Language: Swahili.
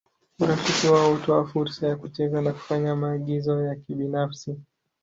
Urafiki wao hutoa fursa ya kucheza na kufanya maagizo ya kibinafsi.